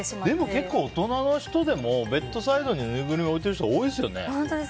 でも大人の人でもベッドサイドにぬいぐるみ置いてる人多いですよね。